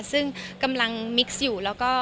ซึ่งกำลังมิกซ์อยู่แล้วก็